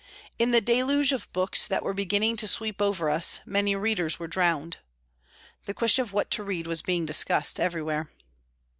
In the deluge of books that were beginning to sweep over us many readers were drowned. The question of what to read was being discussed everywhere.